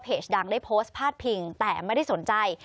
เธอพอจะทราบอยู่บ้างว่าเพจดังได้โพสต์พลาดผิงแต่ไม่ได้สนใจ